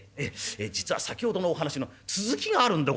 「実は先ほどのお話の続きがあるんでございまして。